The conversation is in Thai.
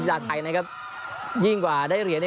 เวลาไทยนะครับยิ่งกว่าได้เหรียญ